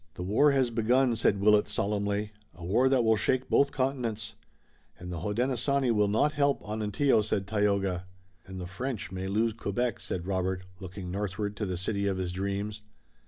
"The war has begun," said Willet solemnly, "a war that will shake both continents." "And the Hodenosaunee will not help Onontio," said Tayoga. "And the French may lose Quebec," said Robert looking northward to the city of his dreams.